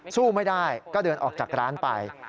สู้ไม่ได้ก็เดินออกจากร้านไป